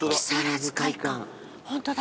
ホントだ。